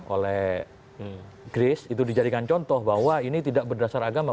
oleh grace itu dijadikan contoh bahwa ini tidak berdasar agama